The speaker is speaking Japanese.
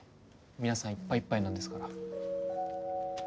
皆さんいっぱいいっぱいなんですから。